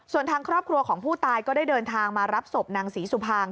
ส่วนทางครอบครัวของผู้ตายก็ได้เดินทางมารับศพนางศรีสุภาง